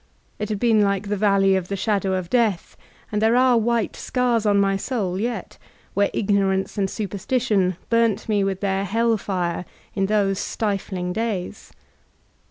It had been like the Valley of the Shadow of Death, and there are white scars on my soul ]ret, where Ignorance and Superstition burnt me with their hell*fire in those stifling days.